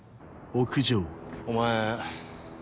お前。